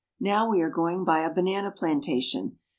Now we are going by a banana plantation.